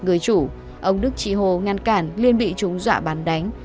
người chủ ông đức trị hồ ngăn cản liên bị chúng dọa bắn đánh